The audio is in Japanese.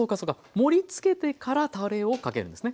盛りつけてからたれをかけるんですね。